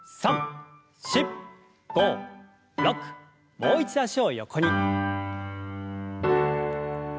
もう一度脚を横に。